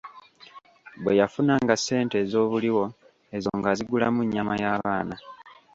Bwe yafunanga ssente ez'obuliwo, ezo ng'azigulamu nnyama y'abaana.